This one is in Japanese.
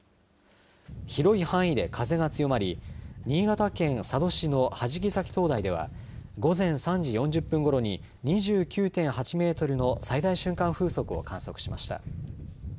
広い範囲で風が強まり新潟県佐渡市の弾崎灯台では午前３時４０分ごろに２９．８メートルの最大瞬間風速を観測しました。